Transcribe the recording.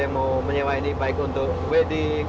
yang mau menyewa ini baik untuk wedding